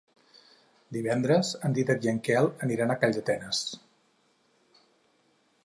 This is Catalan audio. Divendres en Dídac i en Quel aniran a Calldetenes.